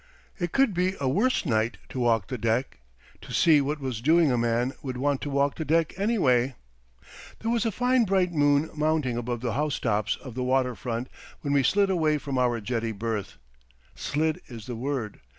It could be a worse night to walk the deck. To see what was doing a man would want to walk the deck anyway. There was a fine bright moon mounting above the housetops of the water front when we slid away from our jetty berth. Slid is the word.